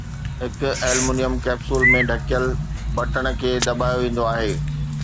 هڪ aluminium capsule ۾ ڍڪيل، بٽڻ کي دٻايو ويندو آهي